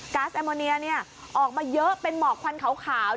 ก๊าซแอลมอนียานี่ออกมาเยอะเป็นหมอกควันขาว